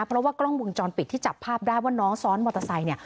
เพราะว่ากล้องวงจรปิดที่จับภาพได้ว่าน้องซ้อนมอเตอร์ไซค์เนี่ย